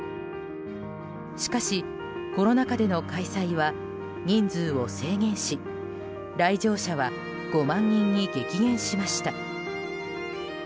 しかし、コロナ禍での開催は人数を制限し来場者は５万人に激減しました。